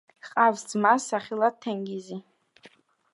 ჰყავს ძმა, სახელად თენგიზი.